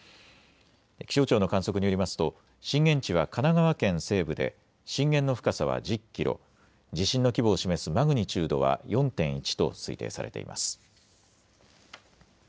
気象庁の観測によりますと震源地は神奈川県西部で震源の深さは１０キロ、地震の規模を示すマグニチュードは４．１と推定されています。